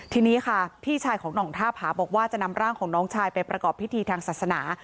ทีนี้ค่ะพี่ชายของหน่องท่าผาบอกว่าจะนำร่างของน้องชายไปประกอบพิธีทางศาสนา